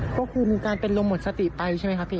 ควบคุมการเป็นลมหมดสติไปใช่ไหมครับพี่